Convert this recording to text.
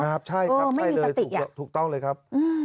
ครับใช่ครับใช่เลยถูกต้องเลยครับ